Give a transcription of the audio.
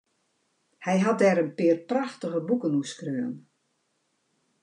Hy hat dêr in pear prachtige boeken oer skreaun.